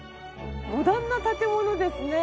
モダンな建物ですね。